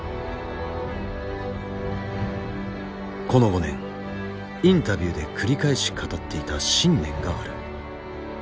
この５年インタビューで繰り返し語っていた信念がある。